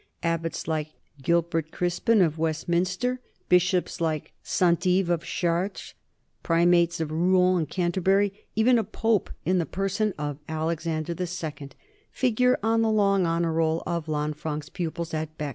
Abbots like Gilbert Crispin of Westminster, bishops like St. Ives of Chartres, primates of Rouen and Canterbury, even a pope in the person of Alexander II, figure on the long honor roll of Lanfranc's pupils at Bee.